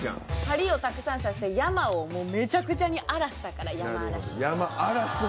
針をたくさん刺して山をめちゃくちゃに荒らしたからヤマアラシ。